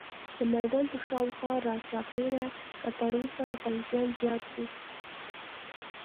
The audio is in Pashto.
د میدان پر شاوخوا راچاپېره کټارو سره پوځیان زیات وو.